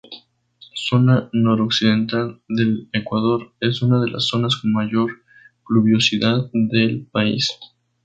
Zona noroccidental del Ecuador, es una de la zonas con mayor pluviosidad del país.